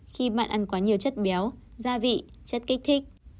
khi bạn ăn quá nhiều chất béo gia vị chất kích thích